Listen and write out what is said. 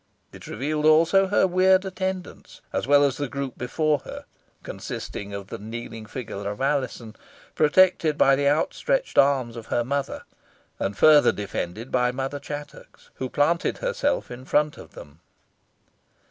It revealed, also, her weird attendants, as well as the group before her, consisting of the kneeling figure of Alizon, protected by the outstretched arms of her mother, and further defended by Mother Chattox, who planted herself in front of them.